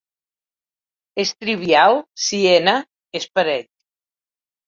És trivial si "n" és parell.